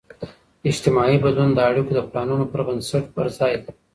اجتماعي بدلون د اړیکو د پلانون پر بنسټ پرځای دی.